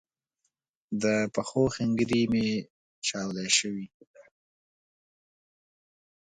د پښو ښنګري می چاودی شوي